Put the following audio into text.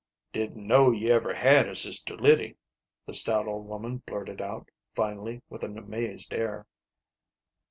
" Didn't know you ever had a sister Liddy," the stout old woman blurted out, finally, with an amazed air.